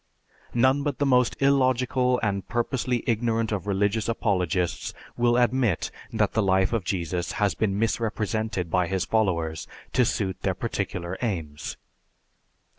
None but the most illogical and purposely ignorant of religious apologists will admit that the life of Jesus has been misrepresented by his followers to suit their particular aims.